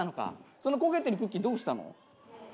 その焦げてるクッキーどうしたの？